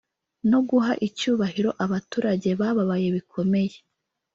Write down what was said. no guha icyubahiro abaturage bababaye bikomeye